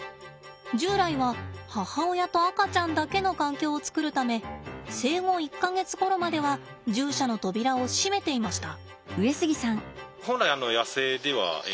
従来は母親と赤ちゃんだけの環境を作るため生後１か月ごろまでは獣舎の扉を閉めていました。